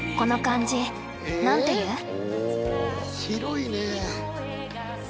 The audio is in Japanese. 広いね！